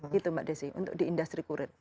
gitu mbak desi untuk di industri kurit